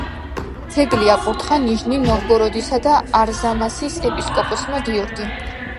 ძეგლი აკურთხა ნიჟნი-ნოვგოროდისა და არზამასის ეპისკოპოსმა გიორგიმ.